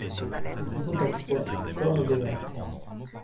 Je suis donc à toi corps et âme.